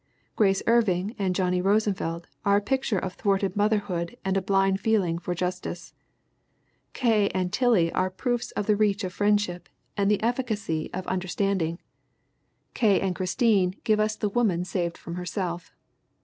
Grace Irving and Johnny Rosenfeld are a picture of thwarted motherhood and a blind feeling for justice. K. and Tillie are proofs of the reach of friendship and the efficacy of under MARY ROBERTS RINEHART 65 standing. K. and Christine give us the woman saved from herself.